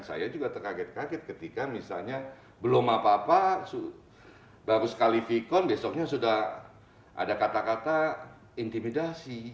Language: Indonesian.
saya juga terkaget kaget ketika misalnya belum apa apa baru sekali vkon besoknya sudah ada kata kata intimidasi